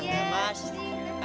terima kasih ya mas